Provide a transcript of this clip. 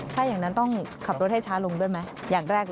ถ้าอย่างนั้นต้องขับรถให้ช้าลงด้วยไหมอย่างแรกเลย